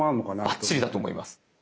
ばっちりだと思います。